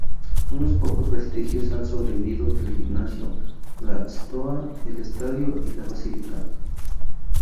Unos pocos vestigios han sobrevivido del gimnasio, la stoa, el estadio y la basílica.